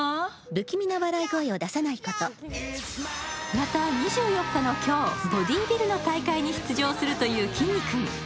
また２４日の今日、ボディービルの大会に出場するというきんに君。